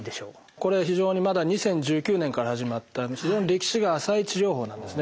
これはまだ２０１９年から始まった非常に歴史が浅い治療法なんですね。